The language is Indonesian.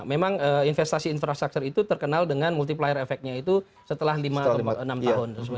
memang investasi infrastruktur itu terkenal dengan multiplier effectnya itu setelah lima atau enam tahun